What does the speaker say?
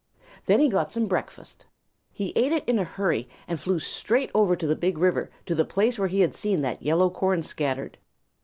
Then he got some breakfast. He ate it in a hurry and flew straight over to the Big River to the place where he had seen that yellow corn scattered.